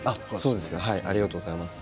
そうですありがとうございます。